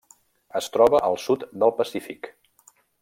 Es troba al sud del Pacífic.